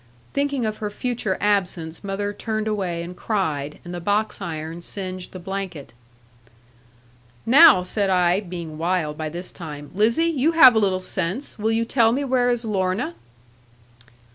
Thinking of her future absence, mother turned away and cried; and the box iron singed the blanket. 'Now,' said I, being wild by this time; 'Lizzie, you have a little sense; will you tell me where is Lorna?'